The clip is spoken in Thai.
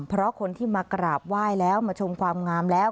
เพราะคนที่มากราบไหว้แล้วมาชมความงามแล้ว